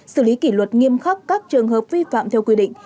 xử lý kỷ luật nghiêm khắc các trường hợp vi phạm theo quy định